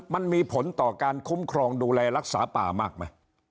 มันมีผลต่อการคุ้มครองดูแลรักษาป่ามากไหม